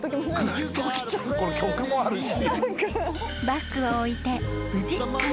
［バッグを置いて］